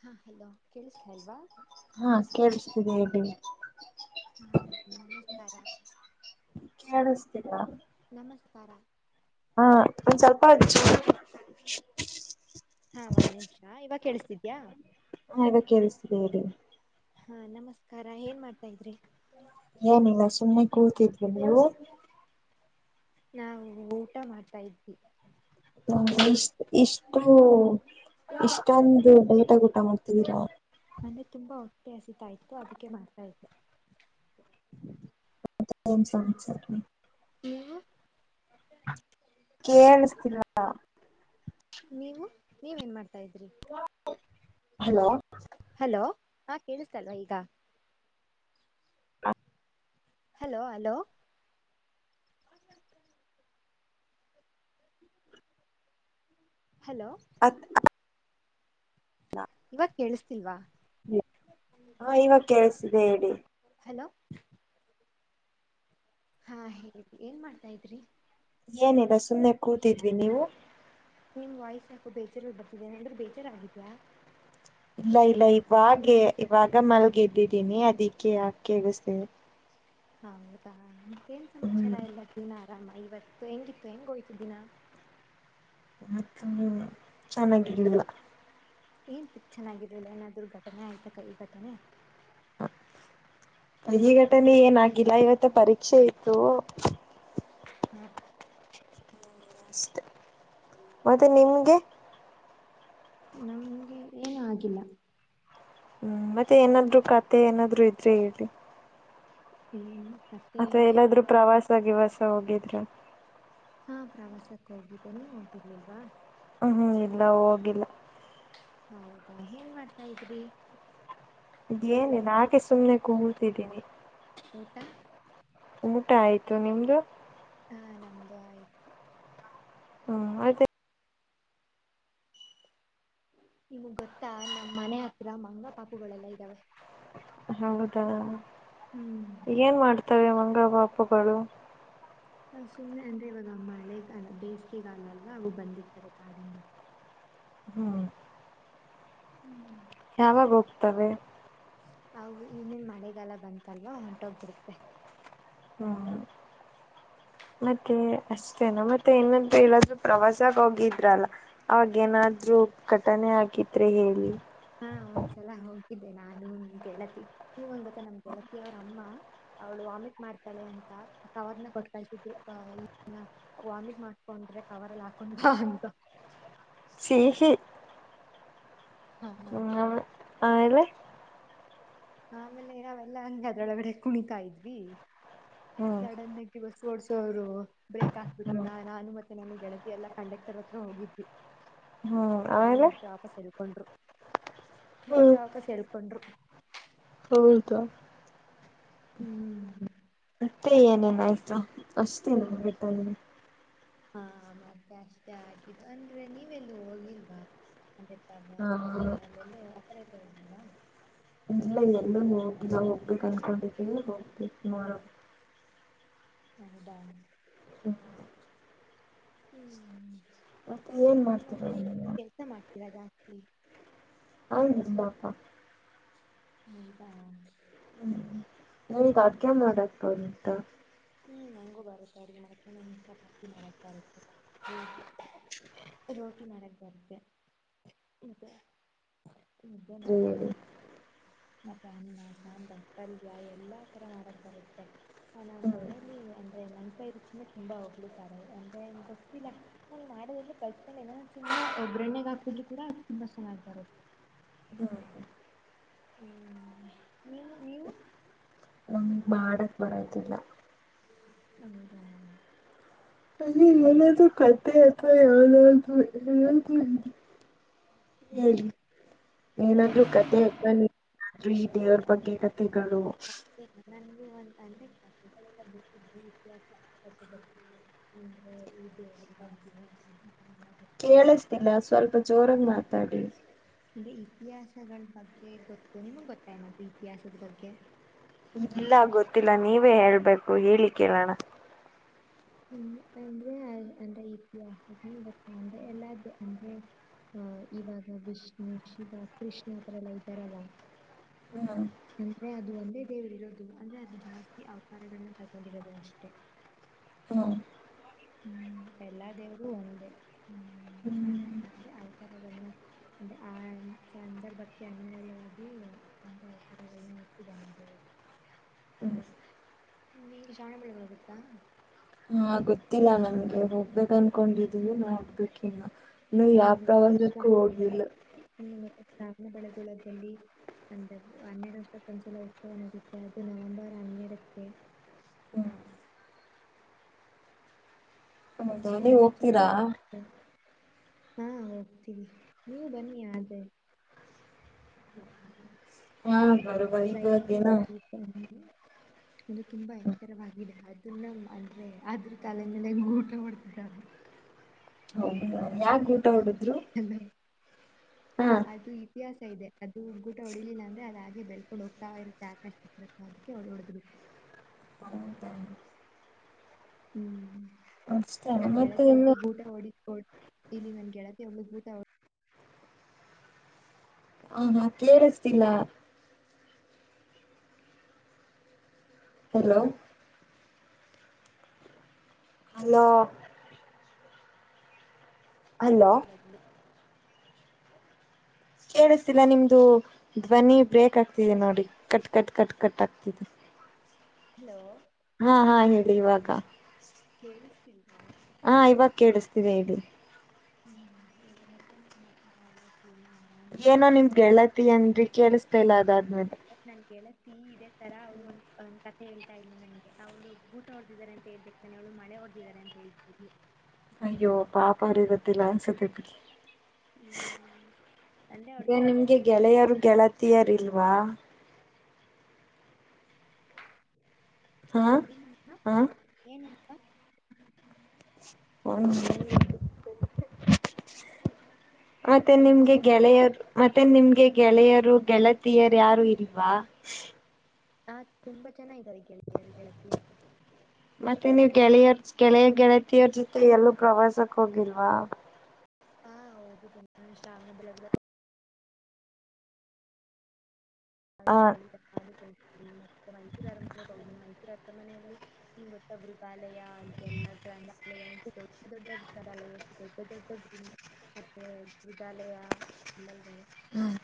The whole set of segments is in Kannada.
ಹಾ ಹಲೋ ಕೇಳಿಸತಾ ಅಲ್ವಾ ಹಾ ಕೇಳಿಸತಿದೆ ಹೇಳಿ ಹದ ನಮಸ್ಕಾರ ಕೇಳಿಸತೀರ ನಮಸ್ಕಾರ ಹಾ ಒಂದ್ ಸ್ವಲ್ಪ ಅಚ್ಚು ಹಾ ಒಂದ್ ನಿಮಿಷ ಇವಾಗ ಕೇಳಿಸತಿದ್ಯಾಾ ಹಾ ಇವಾಗ ಕೇಳಿಸ್ತಿದೆ ಹೇಳಿ ಹಾ ನಮಸ್ಕಾರ ಏನ್ ಮಾಡ್ತಾ ಇದ್ರಿ ಏನಿಲ್ಲ ಸುಮ್ನೆ ಕೂತಿದ್ರು ನೀವು ನಾವು ಊಟ ಮಾಡ್ತಾ ಇದ್ವಿ ಹ ಇಷ್ಟ ಇಷ್ಟು ಇಷ್ಟೊಂದು ಲೆಟ ಊಟ ಮಾಡ್ತಿದ್ದೀರಾ ನನಗೆ ತುಂಬಾ ಹೊಟ್ಟೆ ಹಸಿತಾ ಇತ್ತು ಅದಕ್ಕೆ ಮಾಡ್ತಾ ಇೆ ಏನು ಹ್ಮ್ ಸಾಮಚರ ಸರ್ ನೀವು ಕೇಳ್ಸ್ತಾಲ ನೀವು ನೀವುನ್ ಮಾಡ್ತಾ ಇದ್ರಿ ಹಲೋ ಹಲೋ ಹಾ ಕೇಳಿಸಲ್ವಾ ಈಗ ಹಲೋ ಹಲೋ ಹಲೋ ಹತ್ತು ಇವ ಕೇಳಿಸ್ತಿಲ್ವಾ ಹಾ ಇವಾಗ ಕೇಳಸಿದೆ ಹೇಳಿ ಹಲೋ ಹಾ ಹೇಳಿ ಏನ್ ಮಾಡ್ತಾ ಇದ್ರಿ ಏನಿಲ್ಲ ಸುಮ್ನೆ ಕೂತಿದ್ವಿ ನೀವು ನಿಮ್ ವಾಯ್ಸ್ ಯಾಕೋ ಬೇಜಾರಲ್ಲಿ ಬರ್ತಿದೆ ಏನಂದ್ರೆ ಬೇಜಾರ ಆಗಿದ್ಯಾಾ ಇಲ್ಲ ಇಲ್ಲ ಇವಾಗ ಇವಾಗ ಮಲ್ಗೆ ಎದ್ದಿದ್ದೀನಿ ಅದಿಕ್ಕೆ ಅಕಿಗಸ್ೇ ಹೌದಾ ಮತ್ತೇನ್ ಹ್ಮ್ ಸಮಾಚಾರ ಎಲ್ಲ ದಿನ ಆರಾಮ ಇವತ್ತು ಹೆಂಗಿತ್ತು ಹೆಂಗ ಹೋಯ್ತು ದಿನ ಮತ್ತ ಚೆನ್ನಾಗಿರ್ಲಿಲ್ಲ ಏನ್ಕ್ ಚೆನ್ನಾಗಾಗಿದೆಲ್ಲ ಏನಾದ್ೂ ಘಟನೆ ಆಯ್ತಕ್ಕ ಈ ಘಟನೆ ಈ ಘಟನೆ ಏನ್ ಆಾಗಿಿಲ್ಲ ಇವತ್ತ ಪರೀಕ್ಷೆ ಇತ್ತು ಹ್ಮ್ ಅಷ್ಟೇ ಮತ್ತೆ ನಿಮ್ಗೆ ನಮ್ಗೆ ಏನು ಆಗಿಲ್ಲ ಹ್ಮ್ ಮತ್ತೆ ಏನಾದ್ರು ಕತೆೆ ಏನಾದ್ರು ಇದ್ರೆ ಹೇಳಿ ಏನ್ ಕಥೆ ಅಥವಾ ಎಲ್ಲಾದ್ರೂ ಪ್ರವಾಸಗಿವಾಸ ಹೋಗಿದ್ರ ಹಾ ಪ್ರವಾಸಕ್ಕ ಹೋಗಿದ್ದೆ ನೀವ ಹೋಗಿರ್ಲಿಲ್ವಾ ಹ್ಮ್ ಹ್ಮ್ ಇಲ್ಲ ಹೋಗಿಲ್ಲ ಹೌದಾ ಏನ್ ಮಾಡ್ತಾ ಇದ್ರಿ ಏನಿಲ್ಲ ಆಗೆ ಸುಮ್ನೆ ಕೂತಿದ್ದೀನಿ ಊಟಾ ಊಟ ಆಯ್ತು ನಿಮ್ದು ಹ ನಮ್ದು ಆಯ್ತು ಹ್ಮ ಮತ್ತೆ ನಿಮಗ್ ಗೊತ್ತಾ ನಮ್ಮ್ ಮನೆ ಹತ್ರ ಮಂಗ ಪಾಪುಗಳೆಲ್ಲ ಇದ್ದಾವೆ ಹೌದಾ ಹ್ಮ್ ಏನ್ ಮಾಡ್ತವೆ ಮಂಗ ಪಾಪುಗಳು ಸುಮ್ನೆ ಅಂದ್ರೆ ಇವಾಗ ಮಳೆಗಾಲ ಬೇಸಿಗೆಗಾಲ ಅಲ್ಲವಾ ಅವು ಬಂದಿರ್ತಾವೆ ಕಾಡಿಂದ ಹ್ಮ್ ಹ್ಮ್ ಯಾವಾಗ ಹೋಗ್ತವೆ ಅವು ಇನ್ನೇನ ಮಳೆಗಾಲ ಬಂತಲ್ವಾ ಹೊಂಟೋಗ್ಬಿಡುತ್ತೆ ಹ್ಮ್ ಮತ್ತೆ ಅಷ್ಟ ಮೇ ಮತ್ತೆ ಏನಂತ ಹೇಳೊದು ಪ್ರವಾಸಾಗ ಹೋಗಿದ್ರಲ್ಲ ಆಗೇನಾದ್ರೂ ಘಟನೆೆ ಹಾಗಿದ್ರೆ ಹೇಳಿ ಹಾ ಒಂದ್ಸಲ ಹೋಗಿದ್ದೆ ನಾನು ನನ್ನ ಗೆಳತಿ ನಿನಗ್ ಒಂದ್ ಗೊತ್ತಾ ನಮ್ ಗೆಳತಿ ಅವ್ರಮ್ಮ ಅವಳು ವಾಮಿಟ್ ಮಾಡ್ತಾಳೆ ಅಂತ ಕವರ್ನ ಕೊಟ್ಟ ಕಳ್ಸಿದ್ರು [unintelligible] ವಾಮಿಟ್ ಮಾಡ್ಕೊಂಡ್ರೆ ಕವರಲ್ಲ್ ಹಾಕೊಂಡ ಬಾ ಅಂತ ಸಿಹಿ ಹಾ ಹಾ ಹ್ಮ್ ಆಮೇಲೆ ಆಮೇಲೆ ನಾವೆಲ್ಲ ಅಲ್ಲಿ ಅದರೊಳಗಡೆ ಕುಣಿತಾ ಇದ್ವಿ ಹ್ಮ್ ಸಡನ್ ಆಗಿ ಬಸ್ ಓಡಸೋರು ಬ್ರೇಕ್ ಹಾಕ್ಬಿಟ್ರು ಹ್ಮ್ ನಾ ನಾನು ಮತ್ತೆ ನನ್ನ ಗೆಳತಿ ಎಲ್ಲ ಕಂಡಕ್ಟರ್ ಹತ್ರ ಹೋಗಿದ್ವಿ [inaudible] ಹ್ಮ್ ಆಮೇಲೆ ಮತ್ತೆ ವಾಪಸ್ ಎಳ್ಕೊಂಡ್ರು ಮತ್ತೆ ಹ್ಮ್ ವಾಪಸ್ ಎಳ್ಕೊಂಡ್ರು ಹೌದಾ ಹ್ಮ್ ಮತ್ತೆ ಏನೇನ್ ಆಯ್ತು ಅಷ್ಟೇನ ಬೇಕಾಗಿರೋದು ಹಾ ಮತ್ತೆ ಅಷ್ಟೇ ಹಾಗಿದ್ದು ಅಂದ್ರೆ ನೀವೆಲ್ಲು ಹೋಗಿಲ್ವಾ ಅದೇ ತಗಾ ಹಾ ಸಕ್ತಿ ಅಲ್ಲೆಲ್ಲೂ ಆಥರ ಎಲ್ಲು ಹೋಗಿಲ್ವಾ ಇಲ್ಲ ಎಲ್ಲು ನೋಡಿಲ್ಲ ಹೋಗ್ಬೇಕು ಅನ್ಕೊಂಡಿದಿವಿ ಹೋಗ್ತೀವಿ ಟುಮಾರೋ ಹೌದಾ ಹ್ಮ್ ಹ್ಮ್ ಮತ್ತೆ ಏನ್ ನಿಮ್ಮ ಮಾಡ್ತೀರ ಮನೆಲ್ಲಿ ನೀವು ಕೆಲ್ಸ ಮಾಡ್ತೀರಾ ಜಾಸ್ತಿ ಹೌದ ಬಾಪಾ ಹೌದಾ ಹ್ಮ್ ನೀ ಈಗ ಅಡ್ಗೆ ಮಾಡಕ್ತಂತ ಹ್ಮ್ ನಂಗು ಬರುತ್ತ ಅಡಿಗೆ ಚಪಾತಿ ಮಾಡಕ್ ಬರುತ್ತೆ ರೋಟಿ ಮಾಡಕ್ ಬರುತ್ತೆ ಮತ್ತೆ ಮು್ದೇ ಮಾಡಡಕ ಹೇಳಿ ಬರುತ ಮತ್ತೆ ಅನ್ನ ಸಾಂಬಾರ್ ಪಲ್ಯ ಎಲ್ಲಾ ತರ ಮಾಡಕ್ ಬರುತ್ತೆ ನನ್ನಾ ಅಮ್ಮ ಹ್ಮ್ ಮನೇಲಿ ಅಂದ್ರೆ ನನ್ ಕೈ ರುಚಿನೇ ತುಂಬಾ ಹೊಗ್ಳುತ್ತಾರೆ ಅಂದ್ರೆ ಗೊತ್ತಿಲ್ಲ. ನಾನನ್ ಮಾಡೋದ್ರೆ ಕಳ್ಸ್ಕೊಂಡು ನ ತುಾ ಒಬ್ಬರಣ್ಣಗ ಹಾಕಿದ್ ಕೂಡ ಅದು ತುಂಬಾ ಚೆನ್ನಾಗಿ್ ಬರುತ್ತೆ. ಹ್ಮ್ ನೀ ನೀವು ನಮ್ಗ್ ಮಾಡಕ್ ಬರೋದಿಲ್ಲ. ಹೌದಾ ಅಲ್ಲಿ ಏನಾದೂ ಕತೆೆ ಅಥವಾ ಯಾವದಾದೂ ಏನಾದೂ ಇ [unintelligible] ಹಾ ಹ್ಮ ಏನಾದ್ೂ ಕತೆ ಹಗ್ಬನ್ನಏನಾದ್ರೂ ಈ ದೇವ್ರ ಬಗ್ಗೆ ಕತೆೆಗಳು ನನ್ಗು ಒಂದ ಅಂದ್ರೆಗಳೆಲ್ಲ ಬಿಿ ಬ ವ್ಯತ್ಯಾಸ ಅಂದ್ರೆ ಈ ದೇವ್ರ ಬ ಕೇಳಿಸತಿಲ್ಲ ಸ್ವಲ್ಪ ಜೋರಾಗ ಮಾತಾಡಿ ಅಂದ್ರೆ ಇತಿಹಾಸಗಳ ಬಗ್ಗೆ ಗೊತ್ತು ನಿಮಗ್ ಗೊತ್ತಾಯನದು ಇತಿಹಾಸದ ಬಗ್ಗೆ ಇಲ್ಲ ಗೊತ್ತಿಲ್ಲ ನೀವೇ ಹೇಳ್ಬೇಕು ಹೇಳಿ ಕೇಳೋಣ ಹ್ಮ ಅಂದ್ರೆ ಅಂದ್ರೆ ಇತಿಹಾಸ ಗೊತ್ತಾ ಅಂದ್ರೆ ಎಲ್ಲ ಅಂದ್ರೆ ಹ ಇವಾಗ ವಿಷ್ಣು ಶಿವ ಕೃಷ್ಣ ಅತ್ರರೆ ಎಲ್ಲ ಇದ್ದಾರಲ್ಲ ಹ್ಮ್ ಅಂದ್ರೆ ಅದು ಒಂದೇ ದೇವರು ಇರೋದು ಅಂದ್ರೆ ಅದು ಜಾಸ್ತಿ ಅವತಾರಗಳನ್ನ ತಗೊಂಡಿರೋದು ಅಷ್ಟೇ ಹಾ ಹ್ಮ್ ಎಲ್ಲಾ ದೇವರು ಒಂದೇ ಹ್ಮ್ ಸು್ನೆ ಅಂದ್ರೆ ಅವತರಗಳನ್ನ ಅೆ ಆ ಸಂದರ್ಭಕ್ಕೆ ಅನಿವಾರ್ಯವಾಗಿ ನಿೆ ಅವತರಗಳನ್ನ ಇಟ್ಟಿದ್ದಾನ ದವರು ಹ್ಮ್ ಹ್ಮ ನಿಮ್ಗೆ ಶಾಣಬಳ್ಳೆೊಳ ಗೊತ್ತಾ ಹಾ ಗೊತ್ತಿಲ್ಲ ನನ್ಗೆ ಹೋಗ್ಬೇಕ ಅನ್ಕೊಂಡಿದೀವಿ ನಾಡ್ಬೇಕ ಇನ್ನು ಇ ಯಾವ ಪ್ರವಾಸಕ್ಕೂ ಹೋಗಲಿಲ್ಲ ್ಮ ಮ ಸ್ಪನ ಬೆಳೆಗೊಳ್ಳೋದಲ್ಲಿ ಅಂದ ಹನ್ನೆರಡು ವರ್ಷಕ್ಕೊಂದ್ಸಲ ಉತ್ಸವ ನಡೆಯುತ್ತೆ ಅದು ನವೆಂಬರ್ ಹನ್ನೆರಡಕ್ಕೆ ಹ್ಮ್ ಹೌದಾ ನೀವ್ ತುಂಬಾ ಹೋಗ್ತೀರಾ ಚೆನ್ನಾಗಿತ್ತೆ ಹಾ ಹೋಗ್ತೀವಿ ನೀವು ಬನ್ನಿ ಆದೆ ಹಾ ಬರಬರ ಪ್ರಯತ್ನ ಮಾಡಿ ಬಂದು ಅದು ತುಂಬಾ ಎಕರವಾಗಿದೆ ಅ ದು ನಮ್ಮ ಅಂದ್ರೆ ಅದ್ರ ತಲೆ ಮೇಲೆ ಹೆಂಗ ಊಟ ಮಾಡಡ್ತಿದ್ದಾರೆ ಹೌ ಯಾಕ ಊಟ ಉಡುತ್ತ ಎಲ್ಲ ಅದು ವ್ಯತ್ಯಾಸ ಇದೆ ಅದು ಗುಟಾ ಹೊಡಿಲಿಲ್ಲ ಅಂದ್ರೆ ಅದ ಹಾಗೆ ಬೆಳ್ಕೊಂಡು ಹೋಗ್ತಾ ಇರುತ್ತೆ ಆಕಷ್ಟ ಅದಕ್ಕೆ ಹೊಡದ್ ಬಿು ಪರಂತ [unintelligible] ಹ್ಮ್ ಅಷ್ಟೇನಾ ನನ್ ಮತ್ತೆ ಗೆಳತಿ ಒಬ್ಟ್ಟು ಇನ್ನು ಗುಟಾ ಓಡಿ ಓ ಇಲ್ಲಿ ನನ್ ಗೆಳತಿ ಒಬ್ಬಳು ಗೂಟ ಓಡಿ ಹ ಹಾ ಕೇಳಿಸ್ತಿಲ ಹಲೋ ಅಲೋ ಹಲೋ ಕೇಳಿಸ್ತಿಿಲ್ಲ ನಿಮ್ದು ಧ್ವನಿ ಬ್ರೇಕ್ ಆಗ್ತಿದೆ ನೋಡಿ ಕಟ್ ಕಟ್ ಕಟ್ ಕಟ್ ಆಗ್ತಿದೆ ಹಲೋ ಹಾ ಹಾ ಹೇಳಿ ಇವಾಗ ಕೇಳಿಸ್ತಿಲ್ವ ಹಾ ಇವಾಗ ಕೇಳಿಸ್ತಿದೆ ಹೇಳಿ ಹ್ಮ್ ಹೌದು ಮತ್ತೇನ್ ಸಮಾಚಾರ ಎಲ್ಲ ಜೀವನ ಆರಾಮಿದ್ಯಾ ಏನೋ ನಿಮ್ ಗೆಳತಿ ಅಂದಿ ಕೇಳಿಸ್ತೇ ಇಲ್ಲ ಅದಾದ್ಮೇಲೆ ನನ್ ಗೆಳತಿ ಇದೇ ತರ ಅವ್ಳು ಒಂದ್ ಕತೆೆ ಹೇಳ್ತಾ ಇ ನನ್ಗೆ ಅವ್ಳು ಗುಟ ಹೊಡೆದಿದ್ದಾರೆ ಅಂತ ಹೇಳ್ಬೇಕು ತನಳ ಮಳೆ ಹೊಡೆದಿದಿದ್ದಾರೆ ಅಂತ ಹೇಳ್ಿು ಅಯ್ಯೋ ಪಾಪಾ ಅವ್ರಿಗೆ ಗೊತ್ತಿಲ್ಲ ಅನ್ಸತ್ತೆಿ ಬಿಡ್ರಿ ಹ್ಮ್ ಅಂದ್ರೆ ಅ ಅವಳಿಗೆ ನಿಮ್ಗೆ ಗೆಳೆಯರು ಗೆಳತಿಯರ್ ಇಲ್ವಾ ಹಾಂ ಹಾಂ ಏನಿಲ್ಲ ಒಂದುಸ ಮತ್ತೆ ಹಲೋ ನಿಮ್ಗೆ ಗೆಳೆಯರು ಮತ್ತೆ ನಿಮ್ಗೆ ಗೆಳೆಯರು ಗೆಳತಿಯರ್ ಯಾರು ಇಲ್ವಾ ಹ ತುಂಬಾ ಚೆನ್ನಾಗಾರೆ ಗೆಳರು ಗೆಳತಿಯರು ಮತ್ತೆ ನೀವ್ ಗೆಳೆಯರ್ ಗೆಳೆಯ ಗೆಳತಿಯರ್ ಜೊತೆ ಎಲ್ಲೂ ಪ್ರವಾಸಕ್ ಹೋಗಿಲ್ವಾ ಹಾ ಓಕಿನ್ನ ಶಾವಣ ಬೆಳಳ ಹಳ್ಳ ಹ ಹಾಳಿಾಿಗೆ ಹೋಗ್ೀನಿ ಮತ್ತೆ ಮೈಸೂರು ಅರಮನೆಗೆ ಹೋಗ್ೀನಿ ಮೈಸೂರು ಅರಮನೆಯಲ್ಲಿ ನಿ್ ಗೊತ್ತ ಗೃಥಾಲಯ ಅನ್ಗೆಲ್ಲಾ ಗ್ರಂಥಾಲಯ ದೊಡ್ಡ ದೊಡ್ಡ ಗ್ರಂಥಾಲಯ ಎಷ್ಟ ದೊಡ್ಡ ದೊಡ್ಡ ಮೃದಾಲಯ ಎಲ್ಲ ಇದ್ದಾವೆ ಹ್ಮ್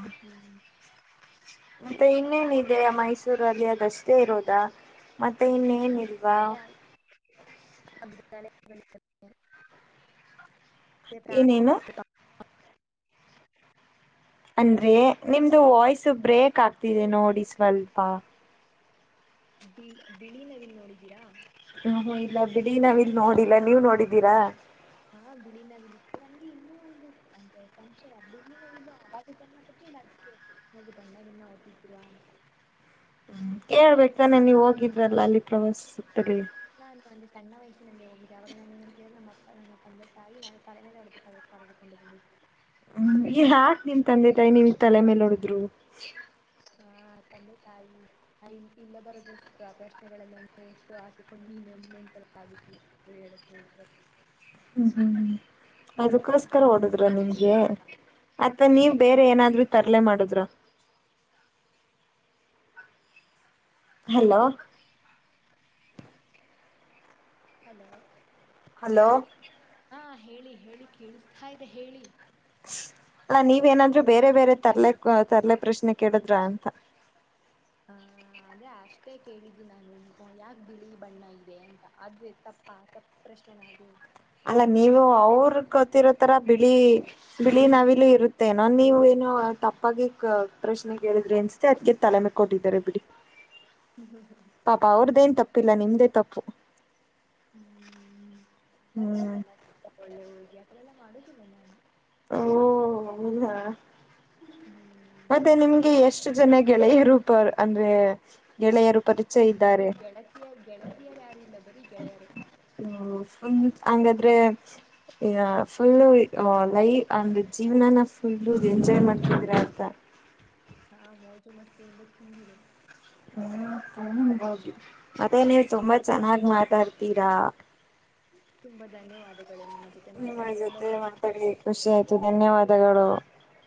ಹ ಹ್ಮ್್ಮ ಮತ್ತೆ ಇನ್ನೇನಿದೆ ಮೈಸೂರಲ್ಲಿ ಅದಷ್ಟೇ ಇರೋದಾ ಮತ್ತೆ ಇನ್ನೇನಿದೆ ಅದೇ ಅಗಾಲ ಏನೇನು ಅಂದ್ರೆ ನಿಮ್ದು ವಾಯ್ಸ್ ಬ್ರೇಕ್ ಆಗ್ತಿದೆ ನೋಡಿ ಸ್ವಲ್ಪ ಬಿಳಿ ಬಿಳಿ ನವಿಲ್ ನೋಡಿದೀರಾ ಹ ಹ ಇಲ್ಲ ಬಿಡಿ ನಾವ್ ಇಲ್ ನೋಡಿಲ್ಲ ನೀವ್ ನೋಡಿದ್ದೀರಾ ಹಾ ಬಿಳಿ ನವಿಲಿ ಇತ್ತು ನಂಗೆ ಇನ್ನೂ ಒಂದು ಅಂತೆ ಸಂಶಯ ಬಿಳಿ ನವಿಲು ಆದಾಗಿ ಜಮ ಅದಕ್ಕೆ ಎಲ್ರು ಬ್ಣಾಗಿನ್ನ ಓದನಿದರುವ ಅಂತ ಕೇಳ್ಬೇಕಾನೆ ನೀವ ಹೋಗಿದ್ರಲ್ಲ ಅಲ್ಲಿ ಪ್ರವಾಸ ಸಿುತ್ತರ್ಲಿ ನಾನು ಒಂದು ಸಣ್ಣ ವಯಸ್ಸಿನಲ್ಲಿ ಹೋಗಿದ್ದೆ ಆಾಗ ನಾನು ಹೆಂಗ ಕೇಳ ನಮ್ಮ ಅಪ್ಪ ನನ್ನ ತಂದೆ ತಾಯಿ ನಾನ ತಲೆೇಲೆ ಹೊಡದು ಕ ಕು ಒಂದು ಬ ಹ್ಮ ಈ ಹಾಕ್ ದನ್ ತಂದತಾಯ ನೀವ್ ತಲೆ ಮೇಲೆ ನೋಡಿದ್ರು ಹಾ ತಂದೆ ತಾಯಿ ಹ ಇಲ್ಲ ಬರದಸ್ತ್ರ ಪ್ರಶ್ನೆಗಳೆಲ್ಲ ಉತ್ತರ ಹಾಕಿಕೊಂಡು ನೀ ನಮೆಂಟಲ್ಲ ಆಗತಿ [inaudible] ಹ್ಮ್ ಹ್ಮ್ ಅದಕ್ಕೋಸ್ಕರ ಓಡದ್ರ ಹೇಳ್ತಿದ್ರು ನಿಮ್ಗೆ ಅತ್ತ ನೀವ್ ಬೇರೆ ಏನಾದ್ೂ ತರಲೆ ಮಾಡುದ್ರ ಹಲೋ ಹಲೋ ಹಲೋ ಹಾ ಹೇಳಿ ಹೇಳಿ ಕೇಳಿಸ್ತಾ ಇದೆ ಹೇಳಿ ಅ ನೀವೇನಾದ್ರು ಬೇರೆ ಬೇರೆ ತರ್ಲೆ ತರ್ಲೆ ಪ್ರಶ್ನೆ ಕೇಳಿದ್ರ ಅಂತ ಹಾ ಆದೇ ಅಷ್ಟೇ ಕೇಳಿದ್ದು ನಾನು ಯಾಕೆ ಬಿಳಿ ಬಣ್ಣ ಇದೆ ಅಂತ ಆದ್ರೆ ತಪ್ಪ ತಪ್ಪ ಪ್ರಶ್ನೆನದು ಅಲ್ಲ ನೀವು ಅವ್ರ ಗೊತ್ತಿರೋತರ ಬಿಳಿ ಬಿಳಿ ನವಿಲು ಇರುತ್ತೆನೋ ನೀವ ಏನೋ ತಪ್ಪಾಗಿ ಪ್ರಶ್ನೆ ಕೇಳಿದ್ರಿ ಅನ್ ಸದ ತಲೆಮೆ ಕೊಟ್ಟಿದ್ದಾರೆ ಬಿಡಿ ಹದ ಪಾಪ ಅವ್ರದ್ದೇಏನ್ ತಪ್ಪಿಲ್ಲ ನಿಮ್ದೇ ತಪ್ಪು ಹ್ಮ್ ಇಲ್ಲ ಹ್ಮ್ ಕಂಡನ ತಗೊಳ್ಳೆ ಹುಳ್ಗಿ ಅ ಎಲ್ಲಾ ಮಾಡುದಿಲ್ಲ ನಾನು ಓ ಇಲ್ಲ ಮತ್ತೆ ಹ್ಮ್ ನಿಮ್ಗೆ ಎಷ್ಟ ಎಷ್ಟ ಜನ ಗೆಳೆಯರುೂಪರ್ ಅಂದ್ರೆ ಗೆಳೆಯರು ಪರಿ ನನಗೆ ಗೆಳತಿಯ ಗೆಳತಿಯರ ಯಾರಂದ ಬರೀ ಗೆಳೆಯರ ಹ ಹಂಗಾದ್ರೆ ಈ ಫುಲ್ಲು ಲೈ ಅಂದು ಜೀವನಾನ ಫುಲ್ಲ ಎಂಜಾಯ್ ಮಾಡ್ತಿದ್ರ ಅಂತ ಹಾ ಮೋಜು ಮಸ್ತಿ ಇಂದ ತುಂಬಿದೆ ಮತ್ತೆ ನೀವು ತುಂಬಾ ಚೆನ್ನಾಗ್ ಮಾತಾಡ್ತೀರಾ ತುಂಬಾ ಧನ್ಯವಾದಗಳು ನಿಮ್ಮ ಜೊತೆ ನಿಮ್ಮ ಮಾತನಾಡಿ ತುಂಬಾ ಜೊತೆ ಖುಷಿ ಆಯ್ತು ಮಂಟಳಿಗೆ ನನಗೆ. ಖುಷಿ ಆಯ್ತು ಧನ್ಯವಾದಗಳು